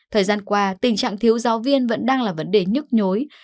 thời gian qua tình trạng thiếu giáo viên vẫn đang là vấn đề nhức nhối